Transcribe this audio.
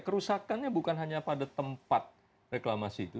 kerusakannya bukan hanya pada tempat reklamasi itu